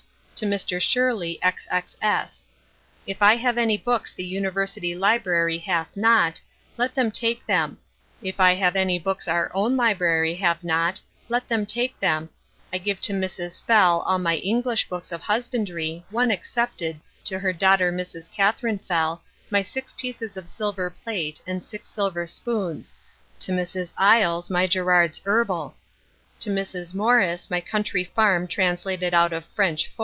to Mr. Sherley _xx_s. If I have any Books the University Library hath not, let them take them If I have any Books our own Library hath not, let them take them I give to Mrs. Fell all my English Books of Husbandry one excepted to her Daughter Mrs. Katherine Fell my Six Pieces of Silver Plate and six Silver spoons to Mrs. Iles my Gerards Herball To Mrs. Morris my Country Farme Translated out of French 4.